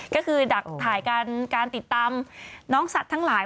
ก็คือดักถ่ายการติดตามน้องสัตว์ทั้งหลาย